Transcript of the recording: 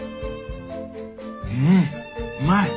うんうまい！